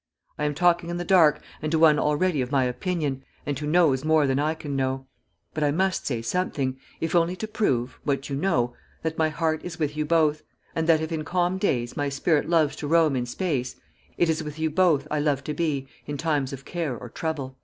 I am talking in the dark, and to one already of my opinion, and who knows more than I can know; but I must say something, if only to prove, what you know, that my heart is with you both, and that if in calm days my spirit loves to roam in space, it is with you both I love to be in times of care or trouble."